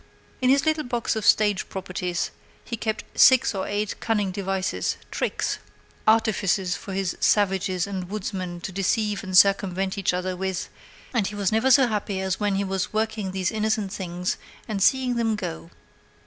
In his little box of stage properties he kept six or eight cunning devices, tricks, artifices for his savages and woodsmen to deceive and circumvent each other with, and he was never so happy as when he was working these innocent things and seeing them go.